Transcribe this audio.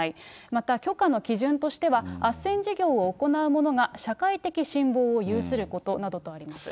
また許可の基準としては、あっせん事業を行う者が社会的信望を有することなどとあります。